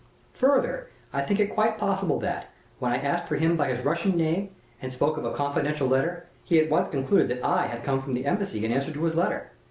Further, I think it quite possible that, when I asked for him by his Russian name and spoke of 'a confidential letter,' he at once concluded that I had come from the embassy in answer to his letter.